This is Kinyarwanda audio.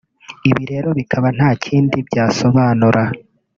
Ibi rero bikaba nta kindi byasobanura